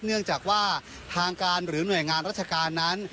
เนื่องจากว่าทางการหรือหน่วยงานราชการนั้น